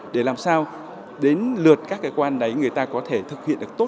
để làm sao đến lượt các cơ quan đấy người ta có thể thực hiện được tốt